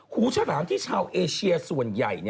ฉลามที่ชาวเอเชียส่วนใหญ่